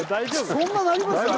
そんななりますか？